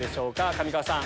上川さん